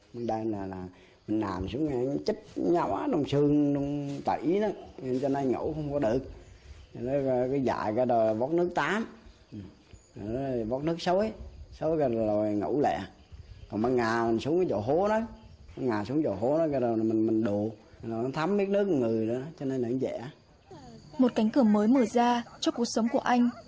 một cánh cửa mới mở ra cho cuộc sống của anh